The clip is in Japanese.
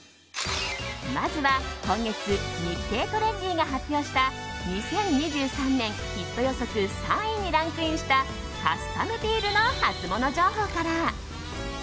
まずは今月「日経トレンディ」が発表した２０２３年ヒット予測３位にランクインしたカスタムビールのハツモノ情報から。